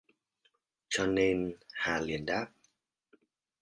Cho nên Hà liền đáp